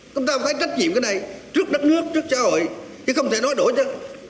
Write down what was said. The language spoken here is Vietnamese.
chúng ta phải trách nhiệm cái này trước đất nước trước xã hội chứ không thể nói đổi chứ